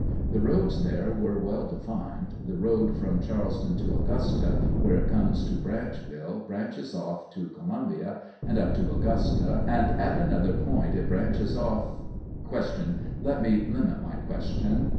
The roads there are well defined; the road from ' Charleston to Augusta, where it comes to Branchville, branches off up to Columbia, and up to Augusta, and, at another point it branches off —— Q. Let me limit my question.